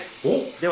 では。